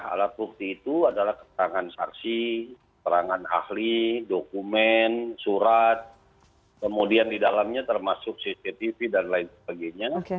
alat bukti itu adalah keterangan saksi keterangan ahli dokumen surat kemudian di dalamnya termasuk cctv dan lain sebagainya